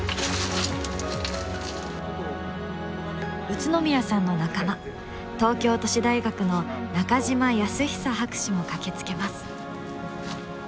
宇都宮さんの仲間東京都市大学の中島保寿博士も駆けつけます。